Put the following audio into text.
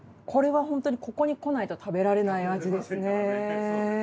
これはホントにここに来ないと食べられない味ですね。